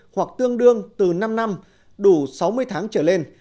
hoặc tương đương từ năm năm đủ sáu mươi tháng trở lên